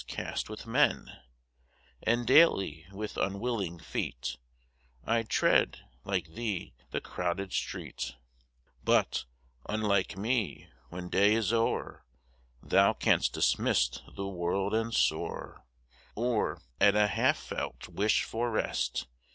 cast with men; And daily, with unwilling feet, 1 tread, like thee, the crowded street ; But, unlike me, when day is o'er. Thou canst dismiss the world and soar, Or, at a half felt wish for rest.